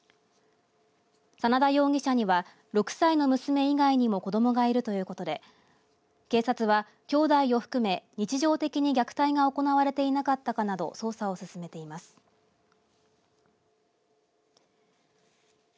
眞田容疑者には６歳の娘以外にも子どもがいるということで警察は、きょうだいを含め日常的に虐待が行われていなかったかなど捜査を進めています。